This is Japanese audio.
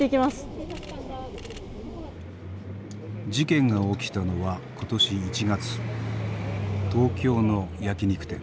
事件が起きたのは今年１月東京の焼き肉店。